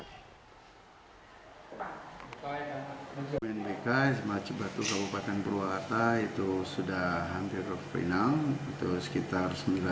unbk sma cibatu kabupaten purwakarta